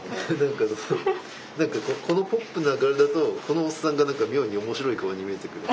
何かこのポップな柄だとこのおっさんが何か妙に面白い顔に見えてくる。